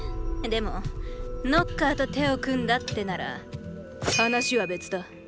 でもノッカーと手を組んだってなら話は別だ。